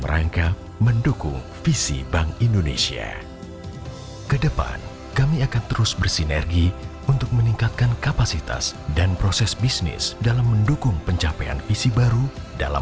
bagaimana cara berkomunikasi dengan cila